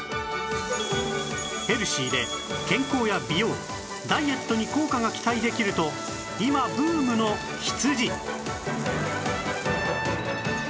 ヘルシーで健康や美容ダイエットに効果が期待できると今ブームの羊